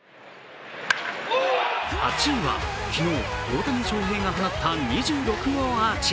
８位は昨日、大谷翔平が放った２６号アーチ。